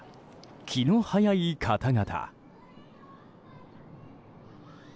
気の早い方々。